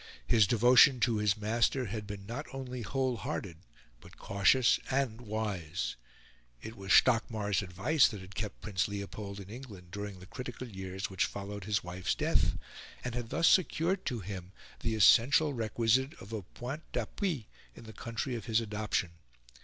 His devotion to his master had been not only whole hearted but cautious and wise. It was Stockmar's advice that had kept Prince Leopold in England during the critical years which followed his wife's death, and had thus secured to him the essential requisite of a point d'appui in the country of his adoption.